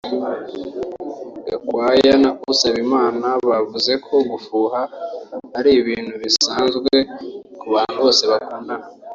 Gakwaya na Usabimana bavuze ko gufuha ari ibintu bisanzwe ku bantu bose bakundana